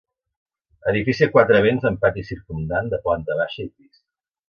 Edifici a quatre vents amb pati circumdant, de planta baixa i pis.